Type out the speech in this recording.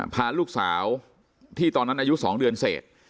พาลูกสาวที่ตอนนั้นอายุ๒เดือนเสร็จ